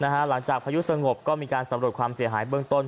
หลังจากพายุสงบก็มีการสำรวจความเสียหายเบื้องต้น